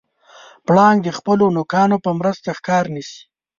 پړانګ د خپلو نوکانو په مرسته ښکار نیسي.